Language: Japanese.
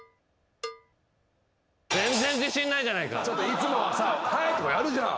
いつもはさ「はい！」とかやるじゃん。